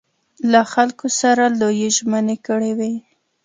له خلکو سره لویې ژمنې کړې وې.